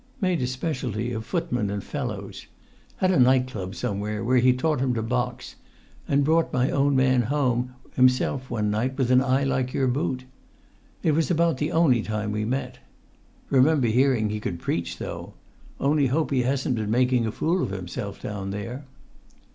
Made a specialty of footmen and fellows. Had a night club somewhere, where he taught 'em to box, and brought[Pg 82] my own man home himself one night with an eye like your boot. It was about the only time we met. Remember hearing he could preach, though; only hope he hasn't been making a fool of himself down there!"